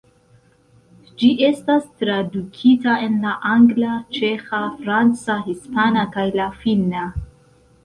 Ĝi estas tradukita en la angla, ĉeĥa, franca, hispana, kaj la finna.